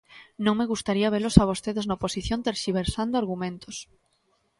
Non me gustaría velos a vostedes na oposición terxiversando argumentos.